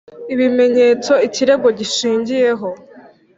ibimenyetso ikirego gishingiyeho